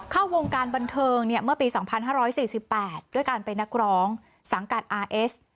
เข้าวงการบันเทิงเมื่อปี๒๕๔๘ด้วยการเป็นนักร้องสังกัดอาร์เอส